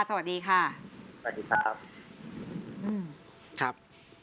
สวัสดีครับ